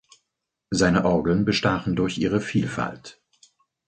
Seine Orgeln bestachen durch ihre Vielfalt.